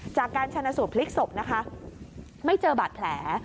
จากการชนะสวดพลิกศพไม่เจอบาดแผล